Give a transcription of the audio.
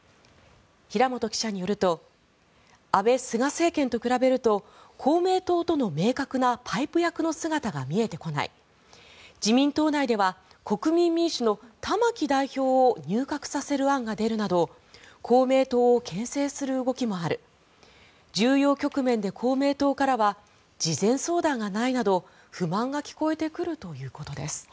平元記者によると安倍・菅政権と比べると公明党との明確なパイプ役の姿が見えてこない自民党内では国民民主の玉木代表を入閣させる案が出るなど公明党をけん制する動きもある重要局面で公明党からは事前相談がないなど不満が聞こえてくるということです。